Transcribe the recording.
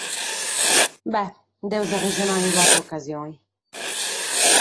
Beh, nd’amus a arresonare in un’àtera ocasione.